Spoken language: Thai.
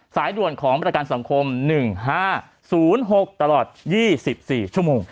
สายด่วนของประกันสังคม๑๕๐๖ตลอด๒๔ชั่วโมง